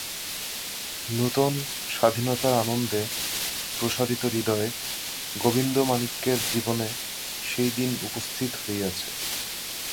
নূতন স্বাধীনতার আনন্দে প্রসারিতহৃদয় গোবিন্দমাণিক্যের জীবনে সেই দিন উপস্থিত হইয়াছে।